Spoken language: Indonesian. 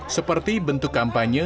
seperti bentuk kampanye